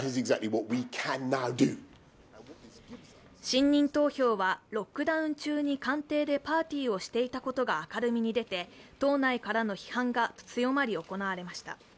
信任投票はロックダウン中に官邸でパーティーをしていたことが明るみに出て党内からの批判が強まり行われました。